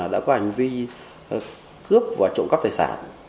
đã có hành vi cướp và trộm cắp tài sản